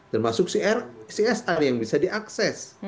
termasuk csr yang bisa diakses